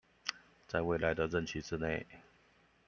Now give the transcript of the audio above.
在未來的任期之內